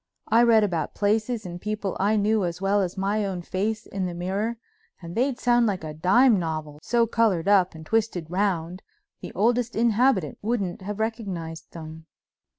I'd read about places and people I knew as well as my own face in the mirror, and they'd sound like a dime novel, so colored up and twisted round the oldest inhabitant wouldn't have recognized them.